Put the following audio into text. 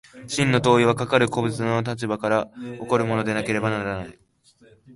真の当為はかかる個物の立場から起こるものでなければならない。